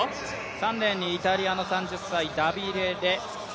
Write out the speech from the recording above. ３レーンにイタリアの３０歳、ダビデ・レ。